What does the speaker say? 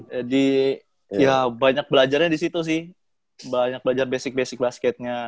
jadi ya banyak belajarnya disitu sih banyak belajar basic basic basketnya